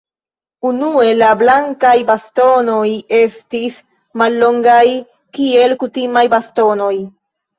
Unue la blankaj bastonoj estis mallongaj, kiel kutimaj bastonoj.